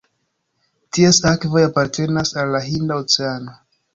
Ties akvoj apartenas al la Hinda Oceano.